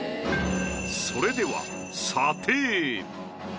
それでは査定。